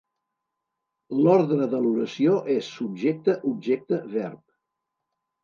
L'ordre de l'oració és Subjecte-Objecte-Verb.